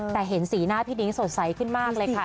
แต่เห็นสีหน้าพี่นิ้งสดใสขึ้นมากเลยค่ะ